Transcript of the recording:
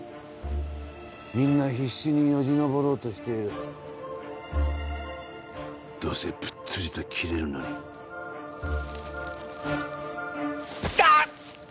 みんな必死によじ登ろうとしているどうせぷっつりと切れるのにイタッ！